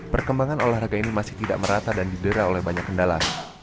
perkembangan olahraga ini masih tidak merata dan didera oleh banyak kendala